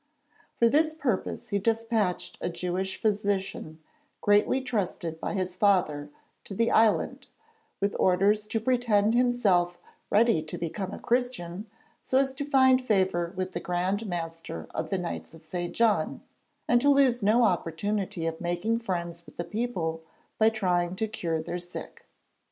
For this purpose he despatched a Jewish physician greatly trusted by his father, to the island, with orders to pretend himself ready to become a Christian so as to find favour with the Grand Master of the Knights of St. John, and to lose no opportunity of making friends with the people by trying to cure their sick.